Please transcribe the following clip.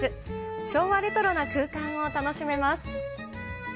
昭和レトロな空間を楽しめます。